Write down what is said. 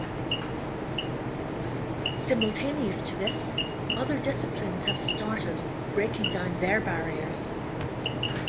Simultaneous to this, other disciplines have started breaking down their barriers.